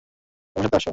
আমার সাথে আস।